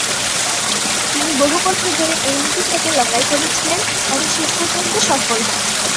তিনি বহু বছর ধরে এই নীতির সাথে লড়াই করেছিলেন এবং শেষ পর্যন্ত সফল হন।